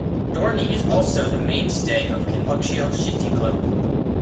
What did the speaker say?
Dornie is also the main stay of Kinlochshiel Shinty Club.